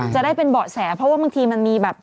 จะได้เป็นเบาะแสเพราะว่าบางทีมันมีแบบ